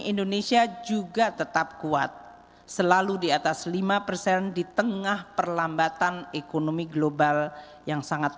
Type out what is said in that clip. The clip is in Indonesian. indonesia juga tetap kuat selalu di atas lima persen di tengah perlambatan ekonomi global yang sangat